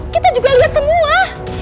kita juga liat semua